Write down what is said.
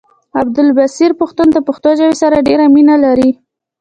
عبدالبصير پښتون د پښتو ژبې سره ډيره مينه لري